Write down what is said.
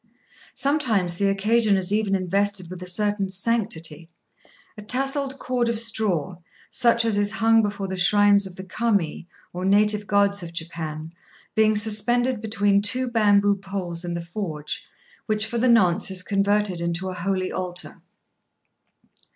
Sometimes the occasion is even invested with a certain sanctity, a tasselled cord of straw, such as is hung before the shrines of the Kami, or native gods of Japan, being suspended between two bamboo poles in the forge, which for the nonce is converted into a holy altar.